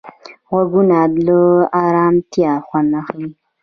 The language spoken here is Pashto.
غوږونه له ارامتیا خوند اخلي